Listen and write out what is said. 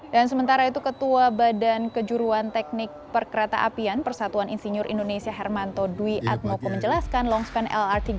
dan sementara itu ketua badan kejuruan teknik perkereta apian persatuan insinyur indonesia hermanto dwi atmoko menjelaskan longspan lrt gatsu kuningan